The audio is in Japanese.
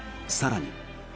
更に。